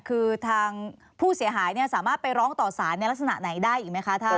คือทางผู้เสียหายสามารถไปร้องต่อสารในลักษณะไหนได้อีกไหมคะท่าน